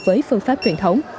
với phương pháp truyền thống